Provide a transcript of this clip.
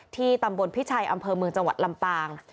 ที่ตำบลพิชัยอำเภอเมืองจังหวัดลำปาง